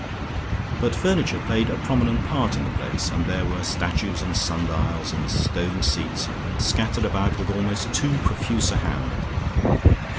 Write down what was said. But furniture played a prominent part in the place, and there were statues and sundials and stone seats scattered about with almost too profuse a hand.